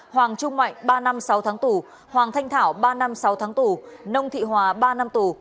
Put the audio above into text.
hoàng trung mạnh ba năm sáu tháng tù hoàng thanh thảo ba năm sáu tháng tù nông thị hòa ba năm tù